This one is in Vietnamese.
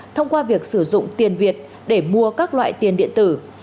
thông qua việc sử dụng tiền việt để mua các loại tiền điện tử